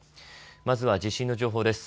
まずは地震の情報です。